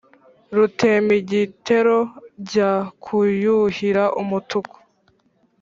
Rutemigitero njya kuyuhira umutuku